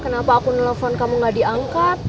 kenapa aku nelfon kamu gak diangkat